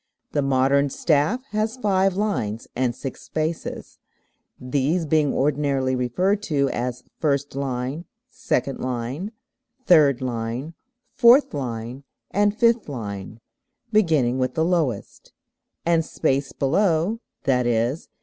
The modern staff has five lines and six spaces, these being ordinarily referred to as first line, second line, third line, fourth line, and fifth line (beginning with the lowest); and space below (_i.e.